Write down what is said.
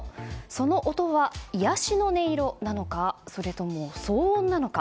その音は癒やしの音色なのかそれとも騒音なのか。